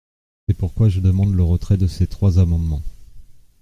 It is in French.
C’est pourquoi je demande le retrait de ces trois amendements.